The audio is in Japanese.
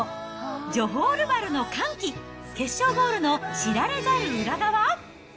ジョホールバルの歓喜、決勝ゴールの知られる裏側？